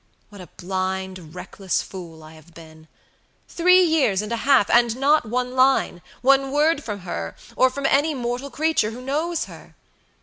What a blind, reckless fool I have been! Three years and a half and not one lineone word from her, or from any mortal creature who knows her.